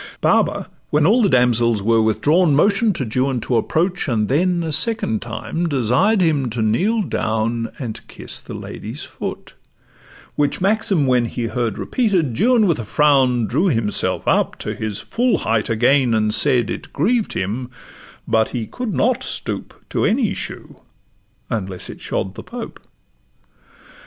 Baba, when all the damsels were withdrawn, Motion'd to Juan to approach, and then A second time desired him to kneel down, And kiss the lady's foot; which maxim when He heard repeated, Juan with a frown Drew himself up to his full height again, And said, 'It grieved him, but he could not stoop To any shoe, unless it shod the Pope.